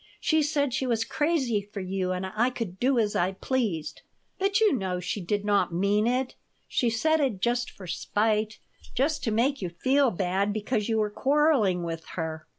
"She said she was crazy for you and I could do as I pleased." "But you know she did not mean it. She said it just for spite, just to make you feel bad, because you were quarreling with her."